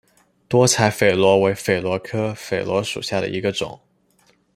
多彩榧螺为榧螺科榧螺属下的一个种。